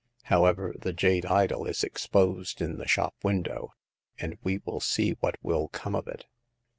However, the jade idol is exposed in the shop window, and we will see what will come of it."